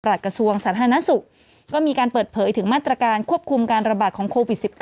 กระทรวงสาธารณสุขก็มีการเปิดเผยถึงมาตรการควบคุมการระบาดของโควิด๑๙